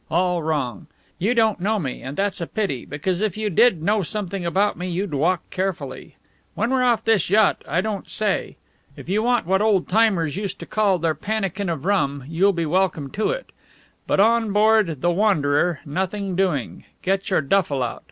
All wrong! You don't know me, and that's a pity; because if you did know something about me you'd walk carefully. When we're off this yacht, I don't say. If you want what old timers used to call their pannikin of rum, you'll be welcome to it. But on board the Wanderer, nothing doing. Get your duffel out.